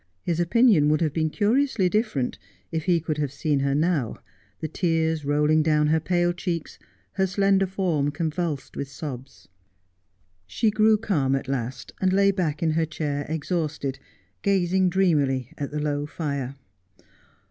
His opinion would have been curiously different if he could have seen her now, the tears rolling down her pale cheeks, her slender form convulsed with sobs. She grew calm at last, and lay back in her chair exhausted, gazing dreamily at the low fire.